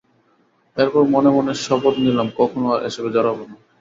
এরপর মনে মনে শপথ নিলাম কখনো আর এসবে জড়াবো না।